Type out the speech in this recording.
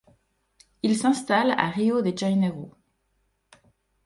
Il s'installe à Rio de Janeiro.